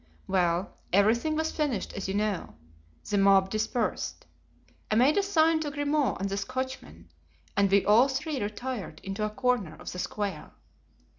Well, everything was finished as you know. The mob dispersed. I made a sign to Grimaud and the Scotchman, and we all three retired into a corner of the square.